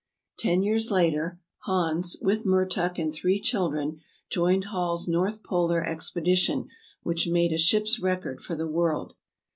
Ten years later Hans, with Mertuk and three chil dren, joined Hall's north polar expedition, which made a ship's record for the world.